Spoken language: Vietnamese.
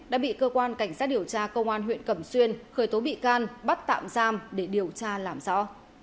đã bị cơ quan cảnh sát điều tra công an huyện cẩm xuyên khởi tố bị can bắt tạm giam để điều tra làm rõ